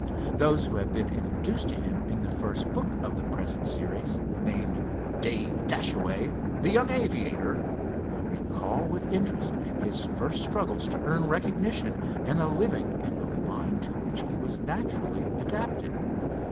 Those who have been introduced to him in the first book of the present series, named "Dave Dashaway, the Young Aviator," will recall with interest his first struggles to earn recognition and a living in a line to which he was naturally adapted.